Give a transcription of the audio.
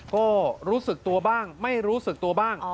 ก็รู้สึกตัวบ้างไม่รู้สึกตัวบ้าง